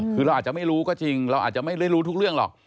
คือเราอาจจะไม่รู้ก็จริงเราอาจจะไม่ได้รู้ทุกเรื่องหรอก